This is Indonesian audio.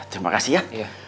terima kasih ya